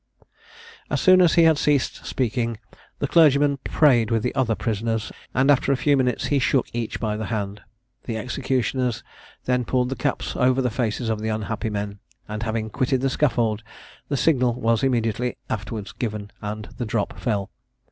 As soon as he had ceased speaking, the clergyman prayed with the other prisoners, and after a few minutes he shook each by the hand. The executioners then pulled the caps over the faces of the unhappy men, and having quitted the scaffold, the signal was immediately afterwards given, and the drop fell.